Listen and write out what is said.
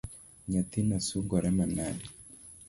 Nyathino sungore manade.